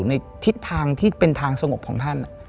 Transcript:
ในทิศทางที่เป็นทางสงบของท่าน